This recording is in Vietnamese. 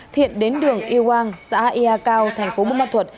thiện đến đường yêu hoàng xã yà cao thành phố bô ma thuật